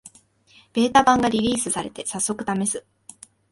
ベータ版がリリースされて、さっそくためす